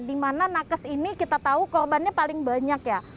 di mana nakes ini kita tahu korbannya paling banyak ya